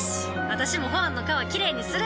私もホアンの川きれいにする！